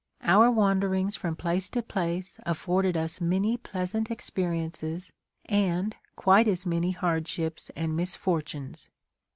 Our wanderings from place to place afforded us many pleasant experiences and quite as many hardships and misfortunes.